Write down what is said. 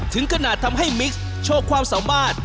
ถึงขนาดทำให้มิกซ์โชว์ความสามารถ